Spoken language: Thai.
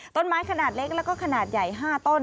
ต้นไม้ขนาดเล็กแล้วก็ขนาดใหญ่๕ต้น